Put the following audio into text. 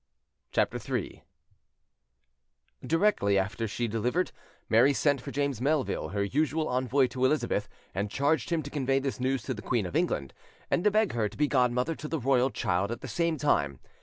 CHAPTER III Directly she was delivered, Mary sent for James Melville, her usual envoy to Elizabeth, and charged him to convey this news to the Queen of England, and to beg her to be godmother to the royal child at the same time.